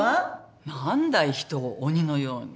何だい人を鬼のように。